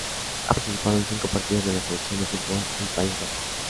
Ha participado en cinco partidos de la Selección de fútbol del País Vasco.